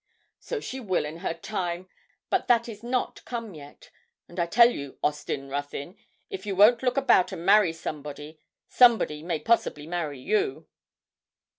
'So she will in her time, but that is not come yet; and I tell you, Austin Ruthyn, if you won't look about and marry somebody, somebody may possibly marry you.'